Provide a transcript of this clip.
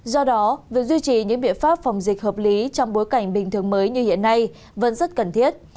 do đó việc duy trì những biện pháp phòng dịch hợp lý trong bối cảnh bình thường mới như hiện nay vẫn rất cần thiết